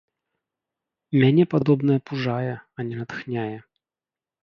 Мяне падобнае пужае, а не натхняе.